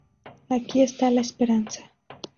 Aquí está la esperanza.